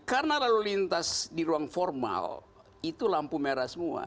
karena lalu lintas di ruang formal itu lampu merah semua